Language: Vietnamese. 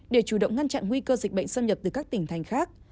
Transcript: để chủ động ngăn chặn nguy cơ dịch bệnh xâm nhập từ các tỉnh thành khác